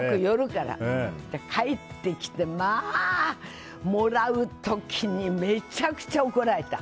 そして帰ってきてまあもらう時にめちゃくちゃ怒られた。